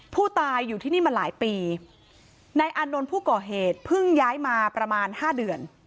ผู้ตายอยู่ที่นี่มาหลายปีนายอานนท์ผู้ก่อเหตุเพิ่งย้ายมาประมาณห้าเดือน